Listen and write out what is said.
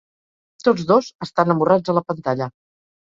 Tots dos estan amorrats a la pantalla.